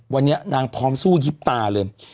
วันนี้พร้อมสู้ยิบตา